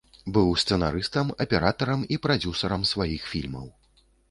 Быў сцэнарыстам, аператарам і прадзюсарам сваіх фільмаў.